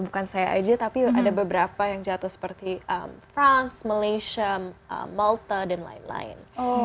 bukan saya aja tapi ada beberapa yang jatuh seperti franz malaysia malta dan lain lain